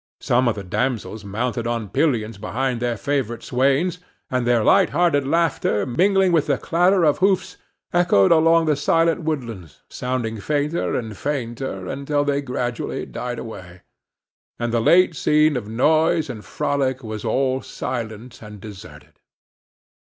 Some of the damsels mounted on pillions behind their favorite swains, and their light hearted laughter, mingling with the clatter of hoofs, echoed along the silent woodlands, sounding fainter and fainter, until they gradually died away, and the late scene of noise and frolic was all silent and deserted.